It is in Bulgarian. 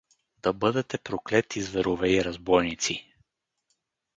— Да бъдете проклети, зверове и разбойници!